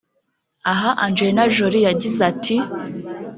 Aha Angelina Jolie yagize ati